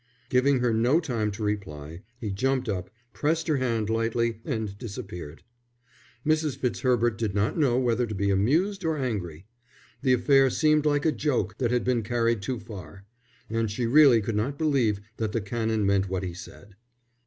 Giving her no time to reply, he jumped up, pressed her hand lightly, and disappeared. Mrs. Fitzherbert did not know whether to be amused or angry. The affair seemed like a joke that had been carried too far, and she really could not believe that the Canon meant what he said.